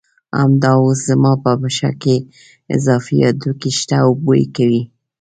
همدا اوس زما په پښه کې اضافي هډوکي شته او بوی کوي.